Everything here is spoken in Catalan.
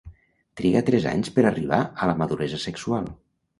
Triga tres anys per arribar a la maduresa sexual.